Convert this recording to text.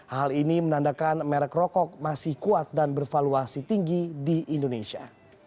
hal ini menandakan merek rokok masih kuat dan bervaluasi tinggi di indonesia